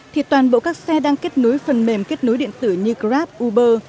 thì toàn bộ các xe đang kết nối phần mềm kết nối điện tử như grab uber